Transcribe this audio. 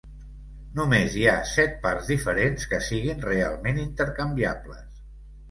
Només hi ha set parts diferents que siguin realment intercanviables.